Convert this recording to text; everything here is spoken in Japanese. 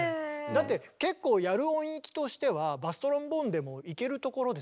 だって結構やる音域としてはバストロンボーンでもいけるところですよね？